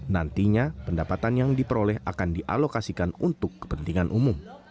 nantinya pendapatan yang diperoleh akan dialokasikan untuk kepentingan umum